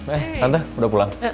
eh tante udah pulang